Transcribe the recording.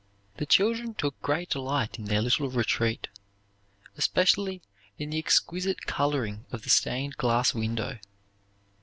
The children took great delight in their little retreat, especially in the exquisite coloring of the stained glass window.